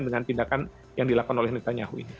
dengan tindakan yang dilakukan oleh netanyahu